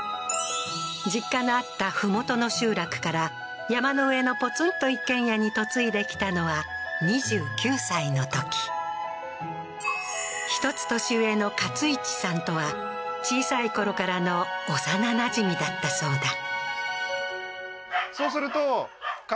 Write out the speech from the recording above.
実家のあった麓の集落から山の上のポツンと一軒家に嫁いできたのは２９歳のとき１つ年上の勝一さんとは小さいころからの幼馴染みだったそうだ